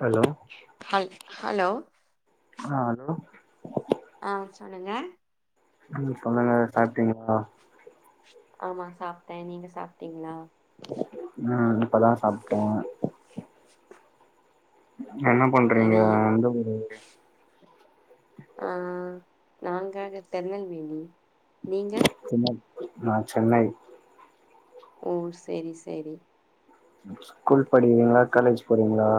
Hello hi hello hello ஆ சொல்லுங்க நீங்க சொல்லுங்க சாப்ட்டீங்களா ஆமா சாப்ட்டே நீங்க சாப்ட்டீங்ளா நா இப்பதா சாப்ட்ட என்ன பண்றீங்க சரி எந்த ஊரு ஆ நாங்கங்க திருநெல்வேலி நீங்க [unintelligible] நா சென்னை ஓ செரி செரி ஸ்கூல் படிக்கிரீங்ளா காலேஜ் போறீங்ளா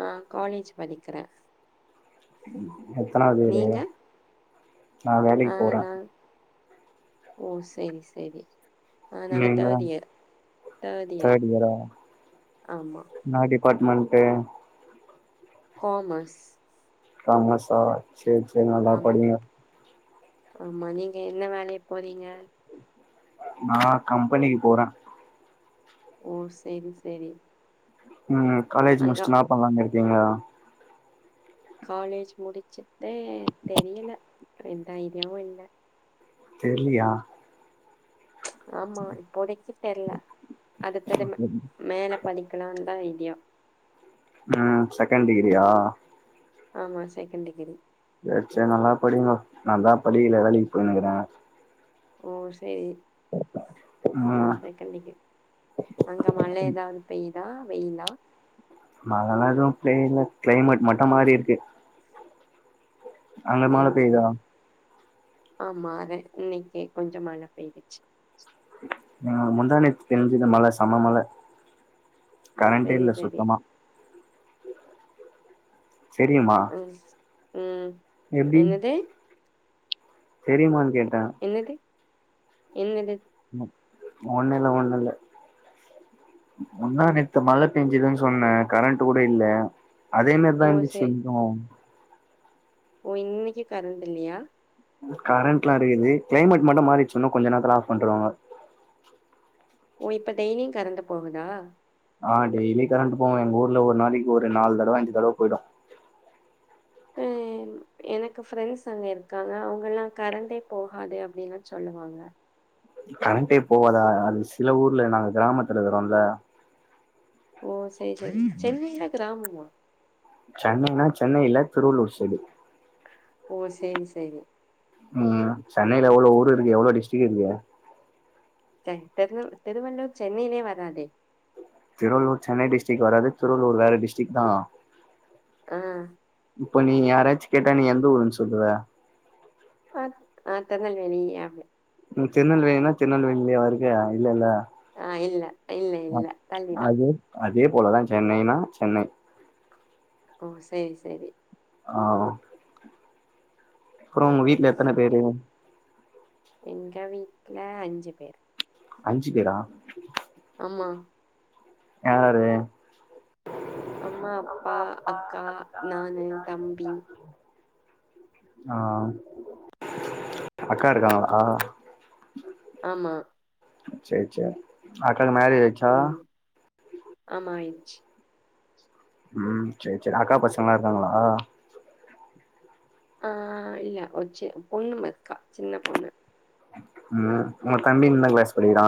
ஆ காலேஜ் படிக்கிற எத்தனாவது இயரு நீங்க நா ஆ வேலைக் போற நா ஓ செரி செரி ஆ நாங்க நீங்க தேர்ட் இயர் தேர்ட் இயர் ஆமா என்ன டிபார்ட்மென்டு காமர்ஸ் காமர்ஸா சேர் சேரி நல்லா ஆம் படிங்க ஆமா நீங்க என்ன வேலைக் போறீங்க நா கம்பெனிக் போற ஓ சேரி சேரி ம் காலேஜ் முடிச்சுட்டு என்ன பண்லானு இருக்கீங்க காலேஜ் முடிச்சுட்டு தெரியல எந்த ஐடியாவு இல்ல தெர்லியா ஆமா இப்போதைக்கு தெர்ல அடுத்தது மே மேல படிக்கலான் தா ஐடியா ம் செகண்ட் டிகிரியா ஆமா செகண்ட் டிகிரி சேர் சேர் நல்லா படி மா நாந்தா படிக்கல வேலைக்கு போயின்னுக்குற ஓ சேரி அதா ம் சை கண்டிக்கு அங்க மழ எதாவது பெயுதா வெயிலா மழலா எதுவு பெய்ல கிளைமேட் மட்டோ மாரிருக்கு மழ சேரி பெய்யுதா சேரி ஆமா அத இன்னிக்கு கொஞ்சோ மழ பெய்துச்சு அ முந்தா நேத்து பேஞ்சுது மழ செம மழ கரண்டே சரி இல்ல சரி சுத்தமா செரியுமா ம் ம் என்னது தெரியுமான்னு கேட்ட என்னது என்னது ஒண்ணுல்ல ஒண்ணுல்ல ஒன்னா நேத்து மழ பேஞ்சுதுன்னு சொன்ன கரண்ட்டு கூட இல்ல அதே மார்தா ஓ இருந்துச்சு சரி இங்கியு ஓ இன்னிக்கு கரண்ட் இல்லயா கரண்ட்லா இருக்குது கிளைமேட் மட்டு மாறிடுச்சு இன்னு கொஞ்ச நேரத்துல ஆப் பண்ருவாங்க ஓ இப்ப டெய்லியு கரண்ட் போகுதா ஆ டெய்லி கரண்ட்டு போகு எங்க ஊர்ல ஒரு நாளைக்கு ஒரு நாலு தடவ அஞ்சு தடவ போயிடு அ எனக்கு ஃப்ரெண்ட்ஸ் அங்க இருக்காங்க அவங்கல்லா கரண்டே போகாது அப்டின்ல சொல்லுவாங்க கரண்ட்டே போவாதா அது சில ஊர்ல நாங்க கிராமத்துல இருக்கறோல்ல ஓ செரி [inaudible] சென்னையீல கிராமமா சென்னைன்னா சென்னை இல்ல திருவள்ளூர் சைடு ஓ சேரி சேரி ம் சென்னைல எவ்ளோ ஊரு இருக்கு எவ்ளோ டிஸ்ட்ரிக் இருக்குது த தறு திருவள்ளூர் சென்னையிலே வராதே திருவள்ளூர் சென்னை டிஸ்ட்ரிக் வராது திருவள்ளூர் வேற டிஸ்டிக் தா அ இப்ப நீ யாராச்சு கேட்டா நீ எந்த ஊருன்னு சொல்லுவ அ அ திருநெல்வேலி அப் ம் திருநெல்வேலினா திருநெல்வேலிலேவா இருக்க இல்லல்ல அ இல்ல இல்ல இல்ல தள்ளிதா அது அதே போலதா சென்னைனா சென்னை ஓ சேரி சேரி ஆ அப்பறோ உங்க வீட்ல எத்தன அதான் பேரு கேட் எங்க வீட்ல அஞ்சு பேரு அஞ்சு பேரா ஆமா யாரு அம்மா அப்பா அக்கா நானு தம்பி ஆ அக்கா இருக்காங்களா ஆமா சேர் சேர் அக்காக்கு மேரேஜ் ஆய்ச்சு ம் ஆமா ஆயிச்சு ம் சேர் சேர் அக்கா பசங்களா இருக்காங்களா ஆ இல்ல ஒரு சி பொண்ணு இருக்கா சின்ன பொண்ணு ம் உங்க தம்பி என்ன க்ளாஸ் படிக்கிறா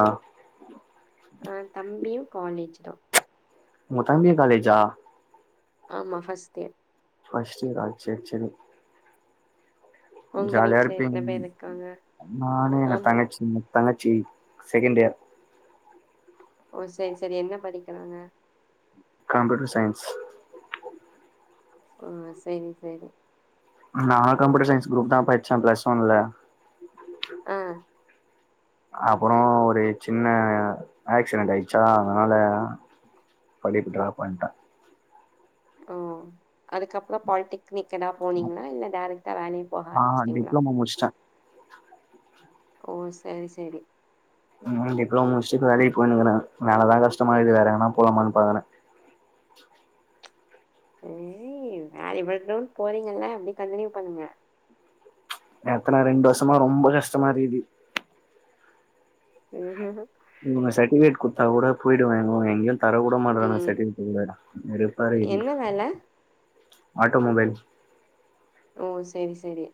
அ தம்பியு காலேஜ் தா உங்க தம்பியு காலேஜா ஆமா ஃபர்ஸ்ட் இயர் ஃபர்ஸ்ட் இயரா சேர் சேரி உங்க ஜாலியா வீட்ல இருப்பீங் எத்தன பேர் இருக்காங்க நானு எங்க ஆமா தங்கச்சி தங்கச்சி செகண்ட் இயர் ஓ சரி சரி என்ன படிக்கிறாங்க கம்ப்யூட்டர் சைன்ஸ் ஆ சேரி சேரி நா கம்யூட்டர் சயின்ஸ் குரூப்தா படிச்ச ப்ளஸ் ஒன்லல ஆ அப்ரோ ஒரு சின்ன ஆக்சிடெண்ட் ஆயிடுச்சா அதனால படிப்பு டிராப் பண்ட ஓ அதுக்கப்ரோ பால்டெக்னிக் எதா போனீங்களா இல்ல டேரக்ட்டா வேலைக் போக ஆரம்பிச்ட்டீங்களா முடிஷ்ட ஓ சரி சரி ம் டிப்ளமோ முடிஷ்ட்டு இப்ப வேலைக்கு போயினுக்குற வேலதா கஷ்டமா இக்குது வேற எங்கனா போலாமான் பாக்கற ஹேய் வேலைக்குதா போறீங்கல்ல அப்டியே கண்டினியூ பண்ணுங்க எத்தன ரெண்டு வர்சமா ரொம்ப கஷ்டமா இருக்கிது ஹுஹூ ஹும் ம் சர்டிஃபிகேட் குத்தா கூட போயிடுவ இவு எங்கயு தரவு தரவுமாற்றானுங்க ம் சர்டிஃபிகேட் கூட வெறுப்பாருக்குது என்ன வேல ஆட்டோமொபைல்ஸ் ஓ சேரி சேரி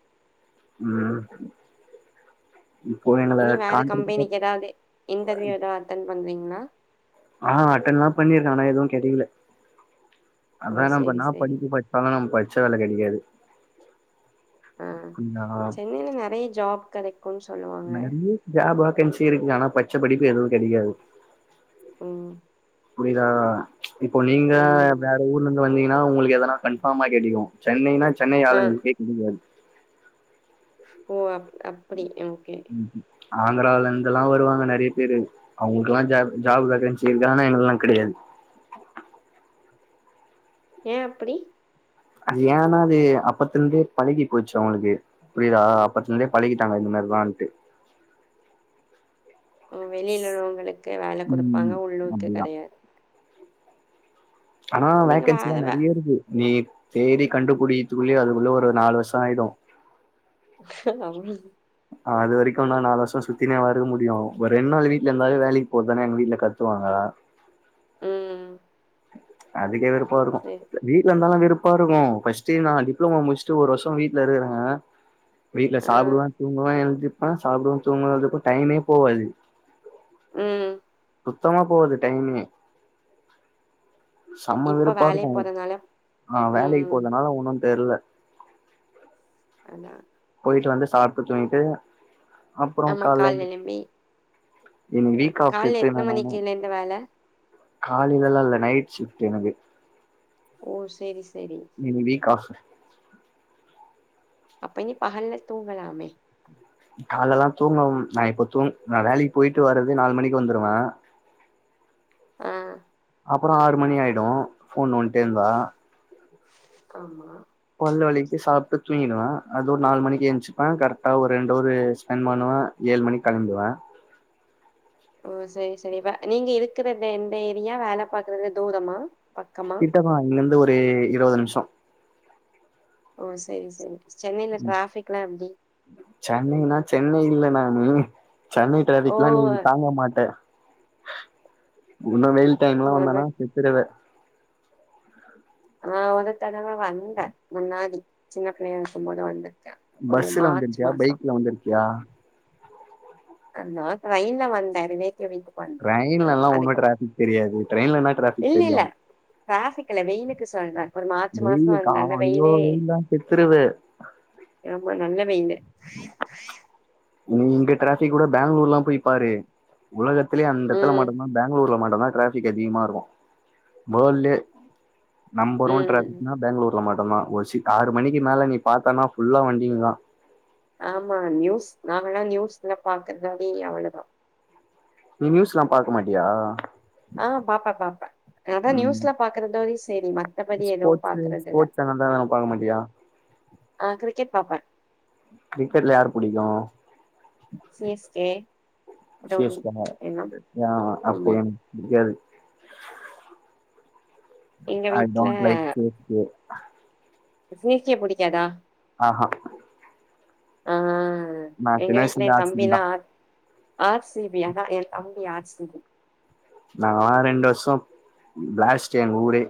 ம் இப்போ எங்கள இனி வேற கான்ட்ராக்ட் கம்பெனிக்கு எதாவது இன்டர்வியூ எதா அட்டன் பண்றீங்களா ஆஹா அட்டன்லா பண்ணிருக்க ஆனா எதுவு கெடைக்ல ஓ அதா சரி என்னப்னா சரி படிப் படி சாலு பச்ச வேல கெடைக்காது ஆ நா சென்னையில நெறைய ஜாப் கெடைக் நிறைய ஜாப் வாக்கன்சி இருக்குங்க ஆனா பச்சப்படிப்பு எதுவு கிடையாது ம் புரியுதா இப்போ நீங்க ஆமா ஆமா வேற ஊர்லந் து வந்தீங்கன்னா உங்களுக் எதனா கன்ஃபார்மா கிடைக்கு சென்னைனா சென்னை ஆ ஆளுங்கக்கே கிடைக்காது ஓ அப் அப்படி ஓகே ஆந்திராவில இருந்துல்லா வருவாங்க நிறைய பேரு அவங்களுக்கெல்லா ஜா ஜாப் வேக்கன்ச்சி இருக்கு ஆனா எங்களுகெல்லா கிடையாது ஏ அப்படி அது ஏன்னா அது அப்பத்த இருந்தே பழகி போச்சு அவங்களுக்கு புரிதா அப்பத்துல இருந்தே பழிக்கிட்டாங்க இந்த மாரிதான்ட்டு வெளியில உள்ளவங்களுக்கு வேல குடுப்பாங்க ம் உள்ளூக்கு அப்டிதா கெடையாது ஆனா அப்ப நீங்க வேற வேகன்சில்லா வே நெறைய இருக்கு நீ தேடி கண்டுபுடிகித்துக்குள்ளயே அதுக்குள்ள ஒரு நாலு வருஷம் ஆயிடு அவுளுது அது வரைக்கு நா நாலு வருஷோ சுத்தினே வா இருக்க முடியு ஒரு ரெண்டு நாள் வீ ட்ல இருந்தாலே வேலைக்கு போதன எங்க வீட்ல கத்துவாங்க ம் அதுக்கே வெறுப்பா இருக்கு சரி. வீட்ல இருந்தாலு வெறுப்பா இருக்கு ஃபர்ஸ்டே நா டிப்ளோமா முடிச்ட்டு ஒரு வருஷோ வீட்ல இருக்கற வீட்ல ஆ. சாப்டுவ தூங்குவ எழுந்திப்ப சாப்டுவ தூங்குவ எதுக்குமே டைமே போகாது ம் சுத்தமா போவாது டைமே சம்ம இப்ப வெருப்பா வேலை இருக்கு போறனால நா வேலைக்கு ம். போறதுனால ஒன்னு தெரில ஆனா போயிட்டு வந்து சாப்ட்டு தூங்கிட்டு அப்றோ ஆமா கால்ல எந் காலையுலுமே இன்னைக்கு வீக் ஆஃப் காலைல எத்ன மணிக்கு இலேந்து வேல காலையிலல்லா இல்ல நைட் ஷிப்ட் எனக்கு ஓ செரி செரி இன்னிக் வீக் ஆஃப் அப்ப நீ பகல்ல தூங்கலாமே கால எல்லா தூங்க நா இப்ப தூங் நா வேலைக்கு போயிட்டு வரது நாலு மணிக்கு வந்துடுவ ஆ அப்றோ ஆறு மணி ஆய்டு போன் நோண்டிட்டே இருந்தா ஆமா பல்லு வலிகிட் சாப்ட்டு தூங்கிடுவ அது ஒரு நாலு மணி எந்சிப்ப கரெக்டா ஒரு ரெண்டு அவரு ஸ்பெண்ட் பண்ணுவ ஏழு மணிக்கு கெளம்புவ ஓ செரி செரி இப்ப நீங்க இருக்கற எந்த ஏரியா வேல பாக்குறது தூரமா பக்கமா இங்லருந்து ஒரு இருபது நிமிஷோ ஓ செரி செரி சென்னையில டிராஃபிக்லா எப்டி சென்னைனா சென்னை இல்ல நானு சென்னை டிரபிக்லா நீ ஓ! தாங்க மாட்ட இன்னு வெயில் டைம்ல வந்தனா செத்துருவ நா ஒரு தடவ வந்த முன்னாடி சின்ன பிள்ளையா இருக்கும் போது வந்துருக்க பஸ்ல வந்திருக்கியா பைக்ல வந்திருக்கியா நா ட்ரெயின்ல வந்த ரி வைத்து வைத்து ட்ரெயின்லல்லா ஒண்ணு டிராபிக் தெரியாது ட்ரெயின்ல என்ன டிராபிக் தெரியு ட்ராபிக் இல்ல வெயிலுக்கு சொல்ற ஒரு மார்ச் மாசம் வெயிலுக்கு ஆ வந்தாந்த ஐயோ வெயிலே வெயில்லா செத்துருவ ஆமா நல்ல வெயிலு நீ இங்க டிராபிக் கூட பெங்களூர்லா போய் பாரு உலக த்துலையே அந்த இடத்துல ம் மட்டு தா பெங்களூர்ல மட்டு தா டிராபிக் அதிகமா இருக்கு வேல்ட்லே நம்பர் ஒன் ம் ட்ராபிக்னா பெங்களூர்ல மட்டுதா ஒரு ஆறு மணிக்கு மேல நீ பாத்தனா ஃபுல்லா வண்டிங்கதா ஆமா நியூஸ் நாங்கல்லா நியூஸ்ல பாக்குறதுனாலே அவ்ளோதா நீ நியூஸ்லா பாக்க மாட்டியா ஆ பாப்ப பாப்ப அதா நியூஸ்ல பாக்குறத வரையு செரி மத் ஸ்போட்ஸ்ஸூ ஸ்போட்ஸ் சேனலு அதெலா பாக்க மாட்டிய ஆ கிரிக்கெட் பாப்பே கிரிக்கெட்ல யார புடிக்கு C S K C Dhoni S K னா எல்லா அ அப்ப ஆமா எனக்கு புடிக்காது எங்க ஐ வீட்ல don't like C S K C S K புடிக்காதா ஆஹ அ நா எங்க சின்ன வயசுல வீட்ல ஏ இருந்து ஆர் சி பி தா தம்பிலா ஆர் சி பி அதா ஏ தம்பி ஆர் சி பி நாங்கலா ரெண்டு வர்ஷோ பிளாஸ்ட்டு எங்க ஊரே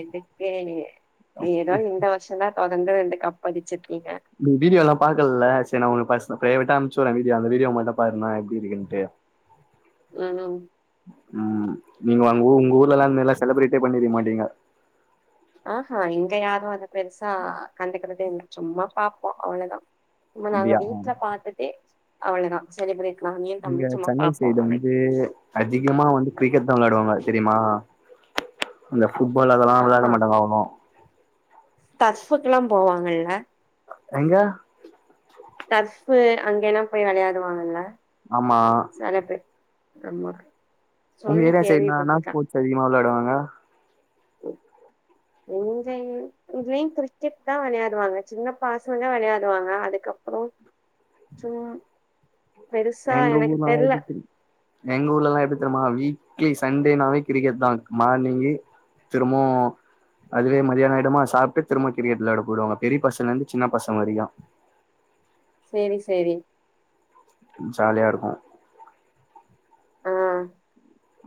எதுக்கு ஏதோ இந்த வர்ஷோ வர்சோதா தொடந்து ரெண்டு கப் அடுச்சிருக்கீங்க நீ வீடியோலா பாக்கலல்ல சரி நா உனக்கு பச ப்ரைவேட்டா அனுப்ச்சுட்ற வீடியோ அந்த வீடியோ மட்டு பாரு நா எப்டி இருக்கண்டு ம் ம் நீங்க அங்க உங்க ஊர்லல்லா இந்தமாரில்லா செலப்ரேட்டே பண்ணிருக்க மாட்டீங்க ஆஹ இங்க யாரு அத பெருசா கண்டுக்றதே இல்ல சும்மா பாப்போ அவ்ளோதா இத நாங்க அப்படியா வீட்ல பாத்துட்டே அவ்ளோதா செலிப்ரேட்னாலே இங்க தஞ்சமா சென்னை பாப்போ அவள கிரிக்கெட்தா விளையாடுவாங்க தெரியுமா இந்த ஃபுட்பால் அதெல்லா விளையாட மாட்டாங்க அவோளோ தர்ஃபுக்கு எல்லா போவாங்கல்ல எங்க தர்ஃபு அங்கெலா போய் விளையாடுவாங்க ஆமா நறைய பேர் ஆமா உங்க சொல்லி ஏரியா கேள்வி சைடுனா என்ன பட்ருக்க ஸ்போர்ட்ஸ் அதிகமா வெளையாடுவாங்க [inaudible] இங்க இங்கயு கிரிக்கெட்தா வெளையாடுவாங்க சின்ன பாசங்க வெளையாடுவாங்க அதுக்கப் றோ சும் பெருசா எங்க எனக்கு ஊர்லலாம் தெர்ல எப்படி தெரி- எங்க ஊர்ல எல்லா எப்டி தெரியுமா வீக்லி சண்டேனாவே கிரிக்கெட்தா மார்னிங்கு திரும்பவு அதுவே மதியானோ ஆயிடுமா சாப்பிட்டு திரும்ப கிரீகெட் விளையாட பொய்டுவாங்க பெரிய பசங்கல்ல இருந்து சின்ன பசங்க வரைக்கு சேரி சேரி ஜாலியா இருக்கு அ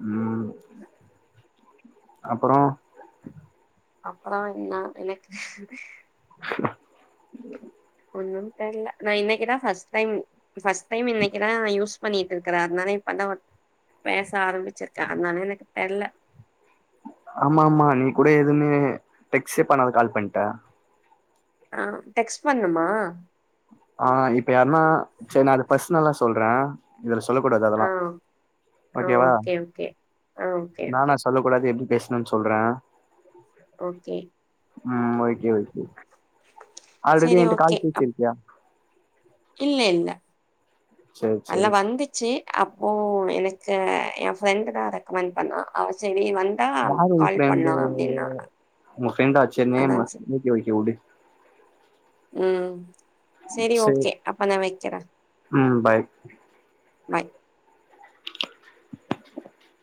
ம் அப்றோ அப்பறோ என்னா எனக்கு [inaudible] ஒன்னு தெர்ல நா இன்னைக்குதா பஸ்ட் டைம் ஃபஸ்ட் டைம் இன்னைக்குதா நா யூஸ் பண்ணிட்ருக்குற அதனால இப்பதா பேச ஆரம்பிச்சிருக்க அதனா எனக்கு தெர்ல ஆமா ஆமா நீ கூட எதுமே டெக்ஸ்டே பண்ணாத கால் பண்ட்ட அ டெக்ஸ்ட் பண்ணுமா அ இப்ப யார்னா சரி நா அத பர்சனல்லா‌ சொல்ற இதுல சொல்லக்கூடாது அதெல்லா ஆ ஆ ஓகேவா ஓகே ஓகே ஆ ஓகே நானா ஓகே சொல்ல கூடாது எப்டி பேஸ்ணுன் சொல்ற ஓகே உம் ஓகே ஓகே ஆல்ரெடி செரி என்ட்ட ஓகே கால் அப் பேசிருக்கியா இல்ல இல்ல சரி அதுலா சரி வந்துச்சி அப்போ எனக்கு எ ஃப்ரெண்டு் தா ரெக்கமெண்ட் பண்ணா அவ செரி வந் யாரு உங்க ஃபிரண்டு உங்க ஃபிரண்டாச்சு அதான் நேமு சரி ஓகெ ஓகெ உடு உம் சரி ஓகே அப்ப நா வக்கிற ம் பாய் பாய்